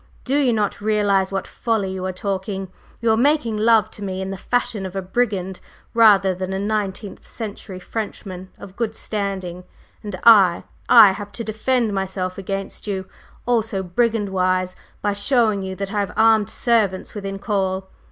"Do you not realize what folly you are talking? You are making love to me in the fashion of a brigand, rather than a nineteenth century Frenchman of good standing, and I I have to defend myself against you also brigand wise, by showing you that I have armed servants within call!